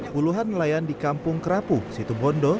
puluhan nelayan di kampung kerapu situbondo